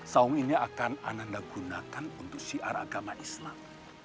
saung ini akan anda gunakan untuk siar agama islam